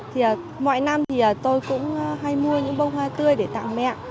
thì mọi năm thì tôi cũng hay mua những bông hoa tươi để tặng mẹ